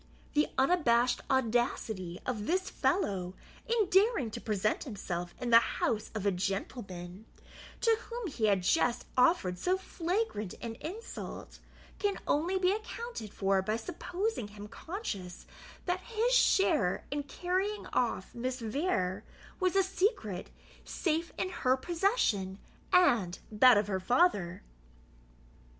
The unabashed audacity of this fellow, in daring to present himself in the house of a gentleman, to whom he had just offered so flagrant an insult, can only be accounted for by supposing him conscious that his share in carrying off Miss Vere was a secret, safe in her possession and that of her father.